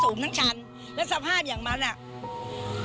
สูงทั้งชั้นแล้วสภาพอย่างมั้นอ่ะแบบนี้